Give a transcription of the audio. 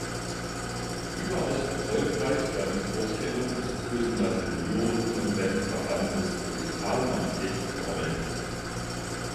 Überaus erfolgreich war die Vorstellung des Kösener Senioren-Convents-Verbandes durch Carl Manfred Frommel.